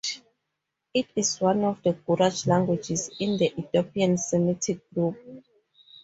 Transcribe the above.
It is one of the Gurage languages in the Ethiopian Semitic group.